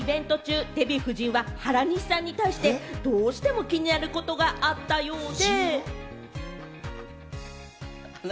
そのイベント中、デヴィ夫人は原西さんに対して、どうしても気になることがあったようで。